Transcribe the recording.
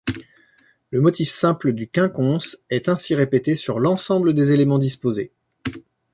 Le motif simple du quinconce est ainsi répété sur l'ensemble des éléments disposés.